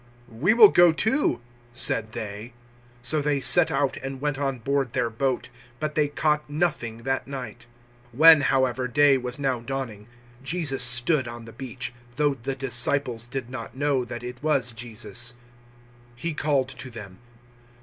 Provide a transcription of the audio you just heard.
"We will go too," said they. So they set out and went on board their boat; but they caught nothing that night. 021:004 When, however, day was now dawning, Jesus stood on the beach, though the disciples did not know that it was Jesus. 021:005 He called to them.